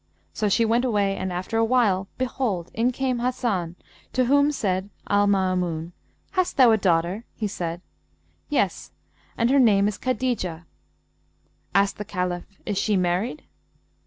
So she went away and after a while behold, in came Hasan, to whom said Al Maamun 'Hast thou a daughter?' He said, 'Yes, and her name is Khadijah.' Asked the Caliph, 'Is she married?'